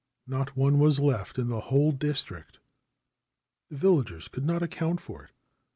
Not one was left in the whole district. The villagers could not account for it.